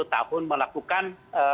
sepuluh tahun melakukan